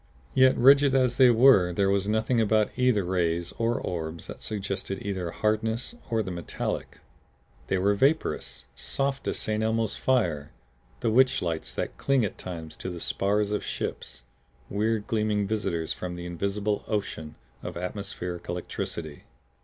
Yet rigid as they were there was nothing about either rays or orbs that suggested either hardness or the metallic. They were vaporous, soft as St. Elmo's fire, the witch lights that cling at times to the spars of ships, weird gleaming visitors from the invisible ocean of atmospheric electricity.